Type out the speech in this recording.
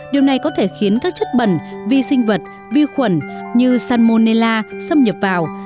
điều này có thể khiến các chất bẩn vi sinh vật vi khuẩn như salmonella xâm nhập vào